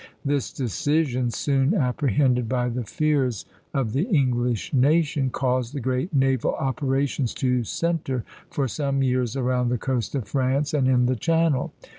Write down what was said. This decision, soon apprehended by the fears of the English nation, caused the great naval operations to centre for some years around the coast of France and in the Channel.